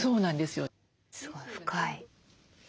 すごい深い。